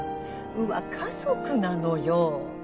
鵜は家族なのよ